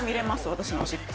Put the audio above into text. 私のおしっこ。